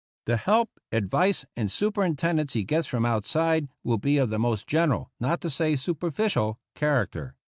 The help, advice, and superintendence he gets from outside will be of the most general, not to say superficial, char acter.